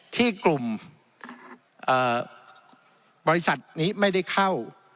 ที่กลุ่มบริษัทนี้ไม่ได้เข้า